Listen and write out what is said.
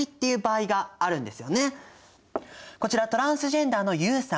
こちらトランスジェンダーのユウさん。